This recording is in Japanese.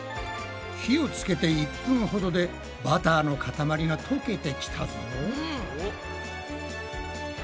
火をつけて１分ほどでバターのかたまりがとけてきたぞ。